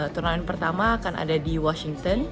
turnamen pertama akan ada di washington